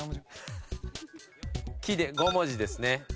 「キ」で５文字ですね。